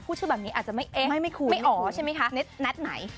ชื่อแบบนี้อาจจะไม่เอ๊ะไม่อ๋อใช่ไหมคะนัดไหน